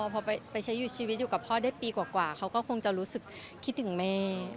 พอไปใช้อยู่ชีวิตอยู่กับพ่อได้ปีกว่าเขาก็คงจะรู้สึกคิดถึงแม่